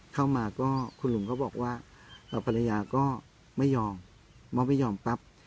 เข้ามาก็คุณลุงก็บอกว่าภรรยาก็ไม่ยอมเพราะไม่ยอมปั๊บ